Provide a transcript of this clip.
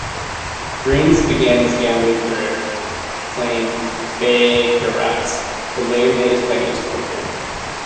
Brenes began his gambling career playing baccarat, but later made his way into poker.